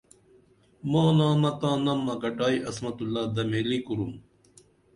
ماں نامہ تاں نم اکٹائی عصمت اللہ دمیلی کُرُم